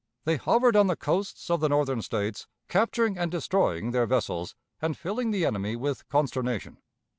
They hovered on the coasts of the Northern States, capturing and destroying their vessels, and filling the enemy with consternation.